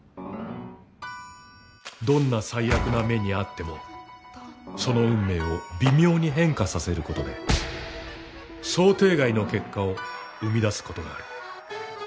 どんな最悪な目に遭ってもその運命を微妙に変化させることで想定外の結果を生み出すことがある。